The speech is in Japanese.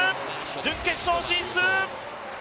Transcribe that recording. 準決勝進出！